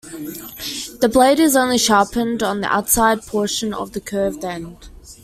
The blade is only sharpened on the outside portion of the curved end.